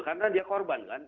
karena dia korban kan